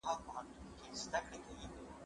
زه کولای شم اوبه وڅښم،